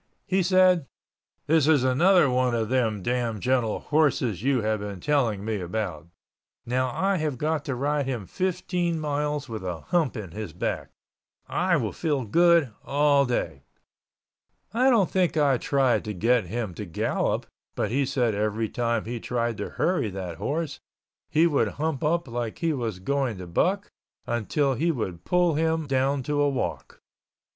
He said, "This is another one of them damn gentle horses you have been telling me about. Now I have got to ride him fifteen miles with a hump in his back. I will feel good all day." I don't think I tried to get him to gallop but he said every time he tried to hurry that horse he would hump up like he was going to buck until he would pull him down to a walk.